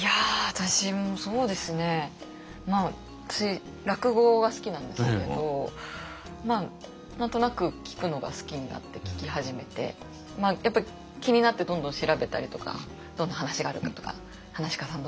私落語が好きなんですけど何となく聴くのが好きになって聴き始めてやっぱり気になってどんどん調べたりとかどんな話があるかとか噺家さん